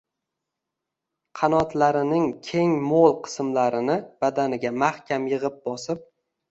qanotlarining keng-mo‘l qismlarini badaniga mahkam yig‘ib-bosib